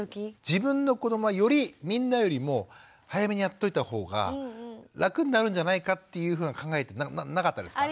自分の子どもはよりみんなよりも早めにやっておいた方が楽になるんじゃないかというふうな考えなかったですか？